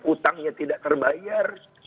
utangnya tidak terbayar